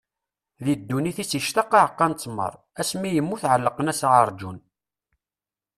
Di ddunit-is ictaq aɛeqqa n ttmer; asmi i yemmut ɛellqen-as aɛerjun.